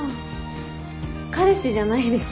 彼氏じゃないです。